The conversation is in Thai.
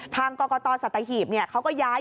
ทางกรกตสตาหิบเนี่ยเขาก็ย้าย